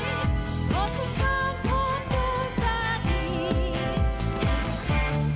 สวัสดีวันปีใหม่พันธ์